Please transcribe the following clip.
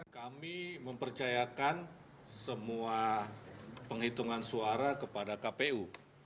kami mempercayakan semua penghitungan suara kepada kpu